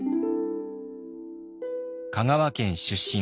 香川県出身。